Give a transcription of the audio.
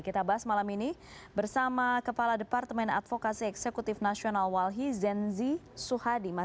kita bahas malam ini bersama kepala departemen advokasi eksekutif nasional walhi zenzi suhadi